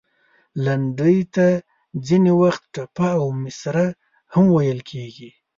لنډۍ ته ځینې وخت، ټپه او مصره هم ویل کیږي.